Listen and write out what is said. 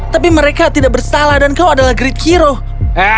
tapi mereka tidak bersalah dan kau adalah ketua